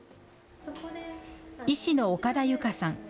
医師の岡田有香さん。